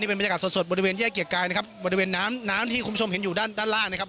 เป็นบรรยากาศสดบริเวณแยกเกียรติกายนะครับบริเวณน้ำน้ำที่คุณผู้ชมเห็นอยู่ด้านด้านล่างนะครับ